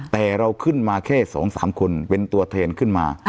แต่เราขึ้นมาแค่๒๓คนเป็นตัวแทนขึ้นมา